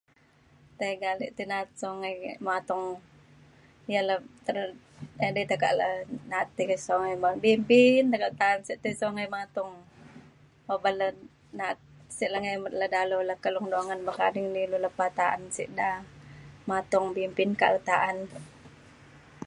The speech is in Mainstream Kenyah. tega alik tai na'at songai matung ya le re edai tekak le beng tai na'at songai bimpin tekak le ta'an tai songai matung oban le na'at sey le ngemet le ka Long Dongan bekading ne ilu lepa ta'an sik da. matung bimpin tekak le ta'an.